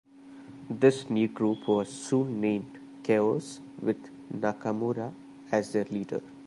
This new group was soon named Chaos with Nakamura as their leader.